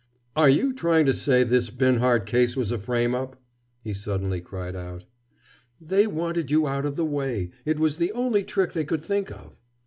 "Are you trying to say this Binhart case was a frame up?" he suddenly cried out. "They wanted you out of the way. It was the only trick they could think of."